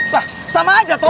lah sama aja tom